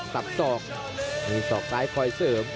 โหโหโหโหโหโหโหโหโห